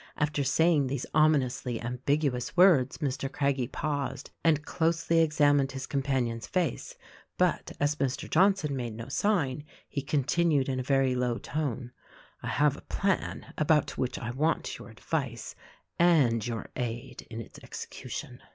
After saying these ominously ambig uous words Mr. Craggie paused and closely examined his companion's face; but, as Mr. Johnson made no sign, he continued in a very low tone, "I have a plan about which I want your advice — and your aid in its execution."